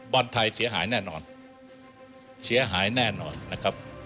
บอลไทยเสียหายแน่นอนเสียหายแน่นอนนะครับ